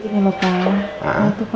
jadi kita lupa